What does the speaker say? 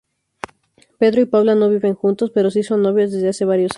Pedro y Paula no viven juntos, pero sí son novios desde hace varios años.